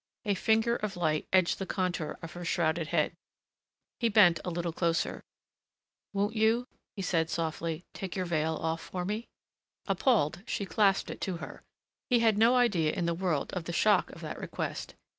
A finger of light edged the contour of her shrouded head. He bent a little closer. "Won't you," he said softly, "take off your veil for me?" Appalled, she clasped it to her. He had no idea in the world of the shock of that request.